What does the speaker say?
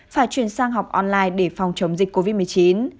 phải chuyển sang học online để phòng chống dịch covid một mươi chín